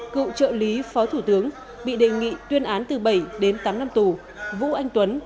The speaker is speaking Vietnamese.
cựu trợ lý phó thủ tướng bị đề nghị tuyên án từ bảy đến tám năm tù vũ anh tuấn